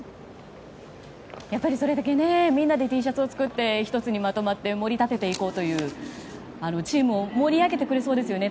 それだけみんなでＴシャツを作って１つにまとまって盛り立てていこうというチームを盛り上げてくれそうですよね